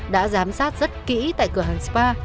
đã giám sát rất kỹ tại cửa hàng spa